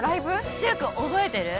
柊くん覚えてる？